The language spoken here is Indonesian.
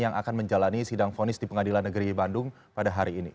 yang akan menjalani sidang fonis di pengadilan negeri bandung pada hari ini